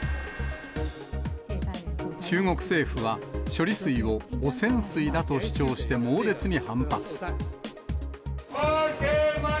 中国政府は処理水を汚染水だと主張して、猛烈に反発。